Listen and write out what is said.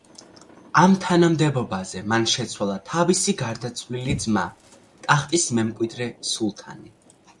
ამ თანამდებობაზე მან შეცვალა თავისი გარდაცვლილი ძმა, ტახტის მემკვიდრე სულთანი.